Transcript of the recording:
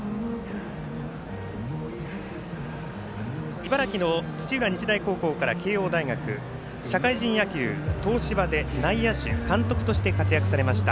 茨城の土浦日大高校から慶応大学、社会人野球東芝で内野手、監督として活躍されました